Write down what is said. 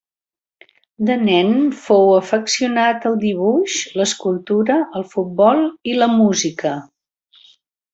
De nen fou afeccionat al dibuix, l'escultura, el futbol i la música.